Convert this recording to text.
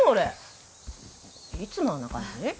いつもあんな感じ？